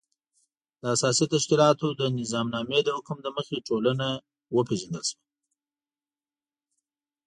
د اساسي تشکیلاتو د نظامنامې د حکم له مخې ټولنه وپېژندل شوه.